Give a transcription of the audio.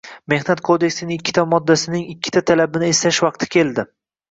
Mehnat kodeksining ikkita moddasining ikkita talabini eslash vaqti keldi: